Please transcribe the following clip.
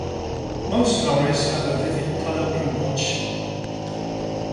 Most loris have a vivid color plumage.